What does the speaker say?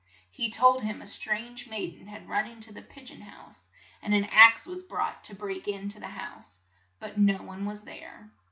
He told him a strange maid en had run in to the pig eon house, and an axe was brought to break in to the house, but no one was there.